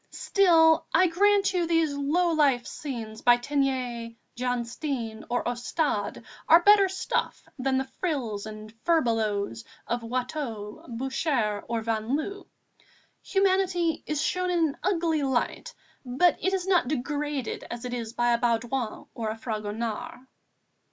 Still, I grant you these low life scenes by Teniers, Jan Steen or Ostade are better stuff than the frills and furbelows of Watteau, Boucher, or Van Loo; humanity is shown in an ugly light, but it is not degraded as it is by a Baudouin or a Fragonard."